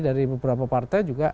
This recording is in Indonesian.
dari beberapa partai juga